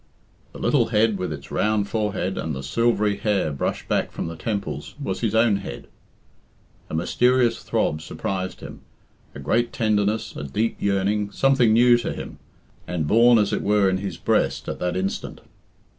The little head, with its round forehead and the silvery hair brushed back from the temples, was his own head. A mysterious throb surprised him, a great tenderness, a deep yearning, something new to him, and born as it were in his breast at that instant.